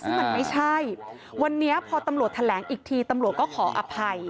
ซึ่งมันไม่ใช่วันนี้พอตำรวจแถลงอีกทีตำรวจก็ขออภัย